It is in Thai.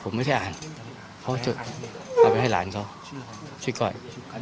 ผมไม่ได้อ่านเขาจะเอาไปให้หลานเขาชื่อก้อย